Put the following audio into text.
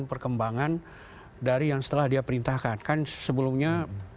perkembangan dari yang setelah dia perintahkan kan sebelumnya